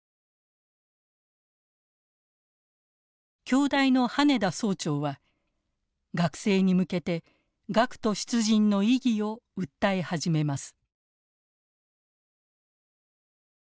京大の羽田総長は学生に向けて学徒出陣の意義を訴え始めます。